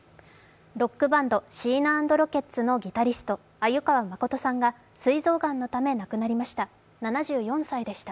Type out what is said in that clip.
ロックバンド、シーナ＆ロケッツのギタリスト鮎川誠さんが、すい臓がんのため亡くなりました。